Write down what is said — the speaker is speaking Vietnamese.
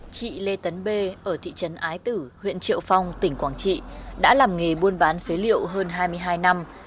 chị lê tấn bê ở thị trấn ái tử huyện triệu phong tỉnh quảng trị đã làm nghề buôn bán phế liệu hơn hai mươi hai năm